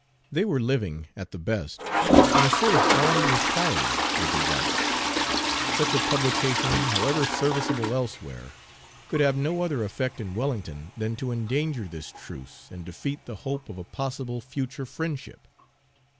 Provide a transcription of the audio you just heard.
They were living, at the best, in a sort of armed neutrality with the whites; such a publication, however serviceable elsewhere, could have no other effect in Wellington than to endanger this truce and defeat the hope of a possible future friendship.